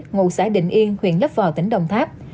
ngộ xã định yên huyện lấp phò tỉnh đồng tháp